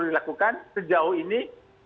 dilakukan sejauh ini